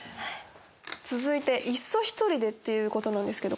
続いて「いっそ一人で！」っていうことなんですけど。